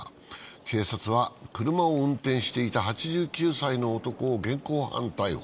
警察は、車を運転していた８９歳の男を現行犯逮捕。